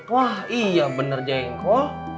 wah iya benar jengkol